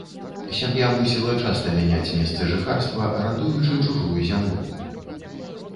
Сям'я мусіла часта мяняць месцы жыхарства, арандуючы чужую зямлю.